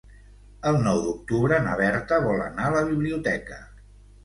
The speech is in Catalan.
El nou d'octubre na Berta vol anar a la biblioteca.